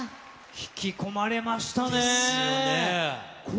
引き込まれましたね。